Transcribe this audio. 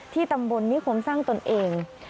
ที่ตำบลนี่คนสร้างตนเอง